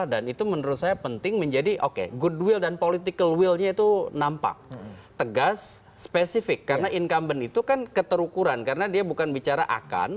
dan itu menurut saya penting menjadi oke goodwill dan political will nya itu nampak tegas spesifik karena incumbent itu kan keterukuran karena dia bukan bicara akan